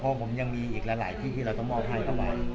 เพราะผมยังมีอีกหลายที่ที่เราต้องมอบให้เข้าไป